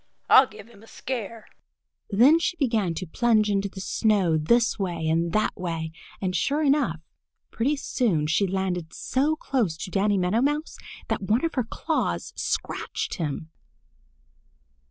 I'll give him a scare." Then she began to plunge into the snow this way and that way, and sure enough, pretty soon she landed so close to Danny Meadow Mouse that one of her claws scratched him.